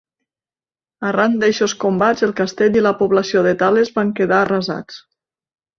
Arran d'eixos combats, el castell i la població de Tales van quedar arrasats.